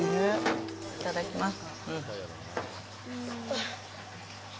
いただきます。